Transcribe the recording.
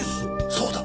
そうだ。